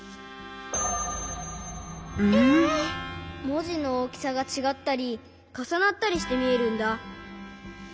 もじのおおきさがちがったりかさなったりしてみえるんだ。